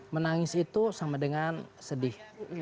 menangis itu sama dengan sedih